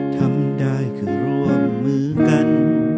ทำได้คือร่วมมือกัน